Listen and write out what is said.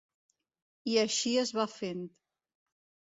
I així es va fent.